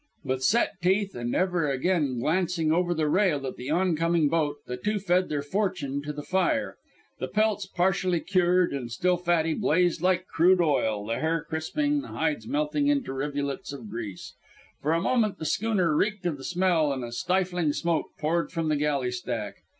With set teeth, and ever and again glancing over the rail at the oncoming boat, the two fed their fortune to the fire. The pelts, partially cured and still fatty, blazed like crude oil, the hair crisping, the hides melting into rivulets of grease. For a minute the schooner reeked of the smell and a stifling smoke poured from the galley stack.